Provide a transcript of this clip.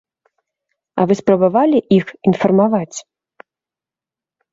А вы спрабавалі іх інфармаваць?